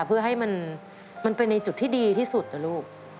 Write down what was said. เพื่อให้มันไปในจุดที่ดีที่สุดนะลูก